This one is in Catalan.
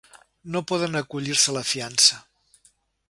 No poden acollir-se a fiança.